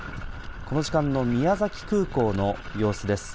この時間の宮崎空港の様子です。